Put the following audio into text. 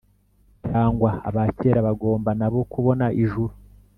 cyangwa aba kera bagomba nabo kubona ijuru